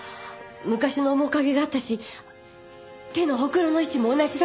昔の面影があったし手のほくろの位置も同じだった。